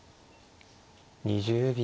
２０秒。